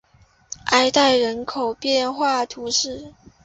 埃代人口变化图示